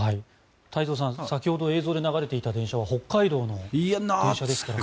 太蔵さん先ほど映像で流れていた北海道の電車ですから。